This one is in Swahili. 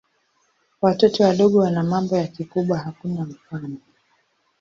Watoto wadogo wana mambo ya kikubwa hakuna mfano.